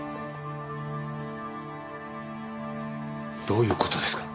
どういう事ですか？